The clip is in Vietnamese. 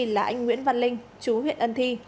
là anh nguyễn văn linh chú huyện ân thi